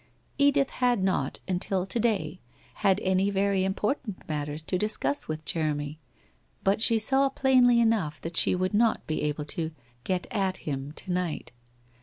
Edith had not, until to day, had any very important matters to discuss with Jeremy, but she saw plainly enough that she would not be able to 'get at him' to night.